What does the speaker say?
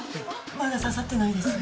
まだ刺さってないです。